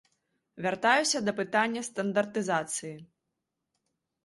Вяртаюся да пытанняў стандартызацыі.